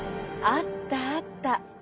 あったあった！